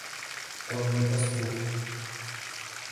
Он мой пастух.